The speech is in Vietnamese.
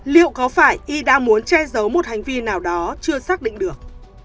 liệu có phải y đã muốn che giấu một hành vi nào đó chưa xác định được